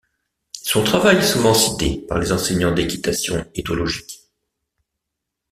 Son travail est souvent cité par les enseignants d'équitation éthologique.